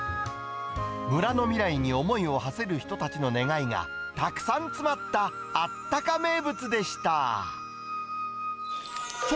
村の未来に思いをはせる人たちの願いが、たくさん詰まったあったか名物でした。